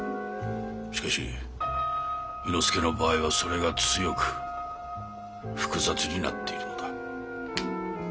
しかし猪之助の場合はそれが強く複雑になっているのだ。